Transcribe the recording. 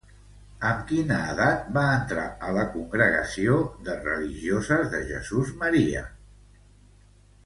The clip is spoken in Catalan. Amb quina edat va entrar a la Congregació de Religioses de Jesús-Maria?